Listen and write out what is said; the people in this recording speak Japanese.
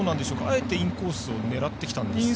あえてインコースを狙ってきたんですか？